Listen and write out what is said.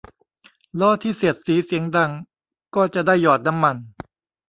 ล้อที่เสียดสีเสียงดังก็จะได้หยอดน้ำมัน